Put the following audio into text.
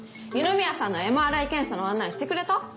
二宮さんのＭＲＩ検査の案内してくれた？